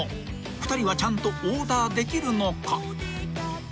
［２人はちゃんとオーダーできるのか？］